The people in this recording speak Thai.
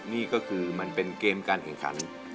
นี่ก็คือมันเป็นเกมการแข่งขัน